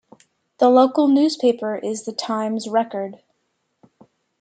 The local newspaper is "The Times-Record".